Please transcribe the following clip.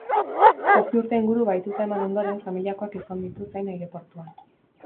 Zazpi urte inguru bahituta eman ondoren, familiakoak izan ditu zain aireportuan.